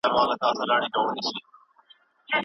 دولتي پوهنتون بې ارزوني نه تایید کیږي.